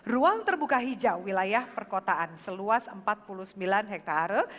ruang terbuka hijau wilayah perkotaan seluas empat puluh sembilan hektare